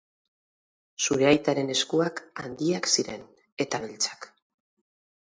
Zure aitaren eskuak handiak ziren, eta beltzak.